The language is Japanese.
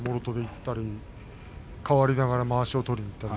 かわりながらまわしを取りにいったり。